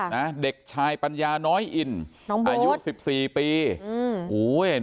นะเด็กชายปัญญาน้อยอิ่นน้องโบ๊ชอายุสี่สี่ปีอืม